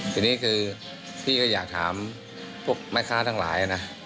ทีนี้คือพี่ก็อยากถามพวกแม่ค้าทั้งหลายนะ